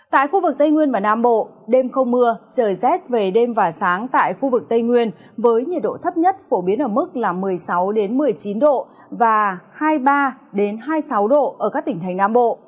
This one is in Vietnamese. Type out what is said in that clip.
tại khu vực tây nguyên và nam bộ đêm không mưa trời rét về đêm và sáng tại khu vực tây nguyên với nhiệt độ thấp nhất phổ biến ở mức một mươi sáu một mươi chín độ và hai mươi ba hai mươi sáu độ ở các tỉnh thành nam bộ